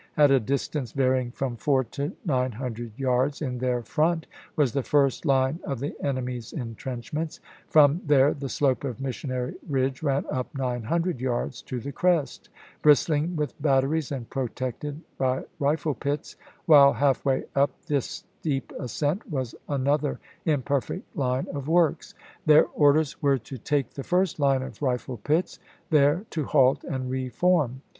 At a distance varying from four to nine hundred yards in their front was the first line of the enemy's intrenchments ; from there the slope of Missionary Ridge ran up nine hundred yards to the crest, bristling with bat teries and protected by rifle pits, while half way up this steep ascent was another imperfect line of works. Their orders were to take the first line of rifle pits, there to halt and re form.